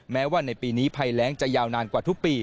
แม้ว่าในปีนี้ภัยแรงจะยาวนานกว่าทุกปี